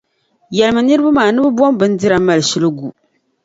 yɛlimi niriba maa ni bɛ bom’ bindira m-mali shili gu.